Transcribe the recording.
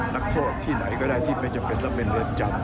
ลักธวรรดิที่ไหนก็ได้ที่เป็นระเบนเรือนจำ